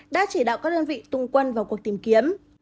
đã chỉ đạo các đơn vị tùng quân vào cuộc tìm kiếm